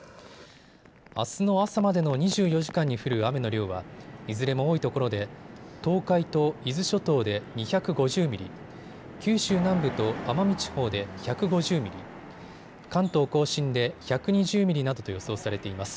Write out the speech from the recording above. あすの朝までの２４時間に降る雨の量はいずれも多いところで東海と伊豆諸島で２５０ミリ、九州南部と奄美地方で１５０ミリ、関東甲信で１２０ミリなどと予想されています。